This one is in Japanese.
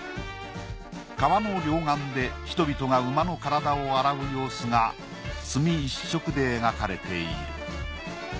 川の両岸で人々が馬の体を洗う様子が墨一色で描かれている。